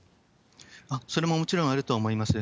それももちろんあると思います。